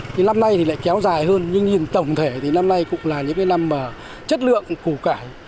năm nay lại kéo dài hơn nhưng tổng thể thì năm nay cũng là những năm chất lượng củ cải